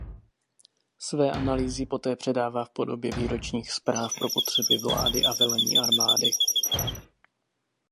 Své analýzy poté předává v podobě výročních zpráv pro potřeby vlády a velení armády.